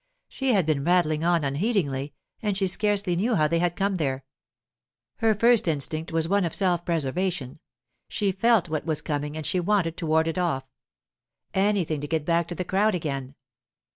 She had been rattling on unheedingly, and she scarcely knew how they had come there. Her first instinct was one of self preservation; she felt what was coming, and she wanted to ward it off. Anything to get back to the crowd again!